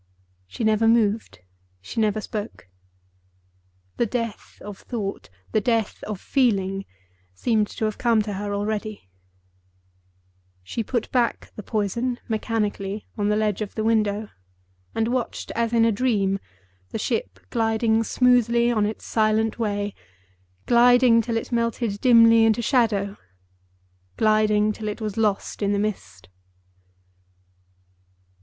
She never moved, she never spoke. The death of thought, the death of feeling, seemed to have come to her already. She put back the poison mechanically on the ledge of the window and watched, as in a dream, the ship gliding smoothly on its silent way—gliding till it melted dimly into shadow—gliding till it was lost in the mist.